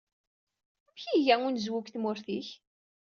Amek yega unezwu deg tmurt-ik?